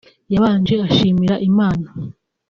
yabanje ashimira Imana